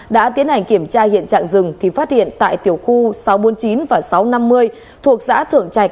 đã tiến hành kiểm tra hiện trạng rừng thì phát hiện tại tiểu khu sáu trăm bốn mươi chín và sáu trăm năm mươi thuộc xã thượng trạch